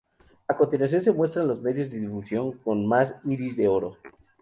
A continuación se muestran los medios de difusión con más "Iris de Oro".